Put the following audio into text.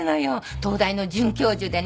東大の准教授でね